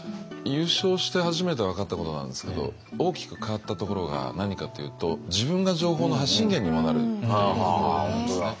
優勝して初めて分かったことなんですけど大きく変わったところが何かというと自分が情報の発信源にもなるということなんですね。